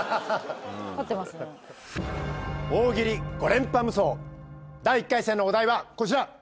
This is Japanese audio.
大喜利５連覇無双第１回戦のお題はこちら！